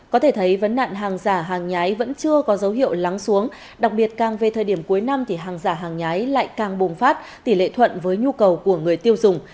có thể thấy vấn nạn hàng giả hàng nhái vẫn chưa có dấu hiệu lắng xuống đặc biệt càng về thời điểm cuối năm thì hàng giả hàng nhái lại càng bùng phát tỷ lệ thuận với nhu cầu của người tiêu dùng